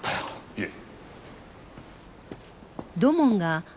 いえ。